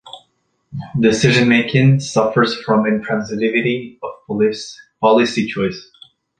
Decision making suffers from intransitivity of policy choice.